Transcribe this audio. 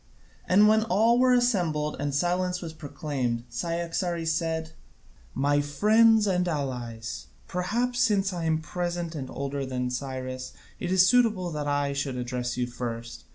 And when all were assembled and silence was proclaimed, Cyaxares said: "My friends and allies, perhaps, since I am present and older than Cyrus, it is suitable that I should address you first.